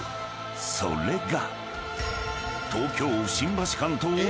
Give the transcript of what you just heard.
［それが］